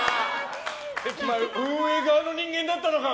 運営側の人間だったのか！